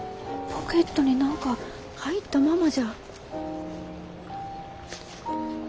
ポケットに何か入ったままじゃ。